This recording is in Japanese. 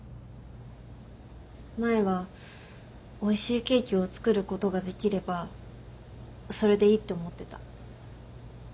前はおいしいケーキを作ることができればそれでいいって思ってた。